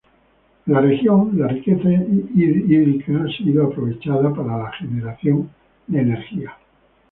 En la región la riqueza hídrica ha sido aprovechada para la generación de energía.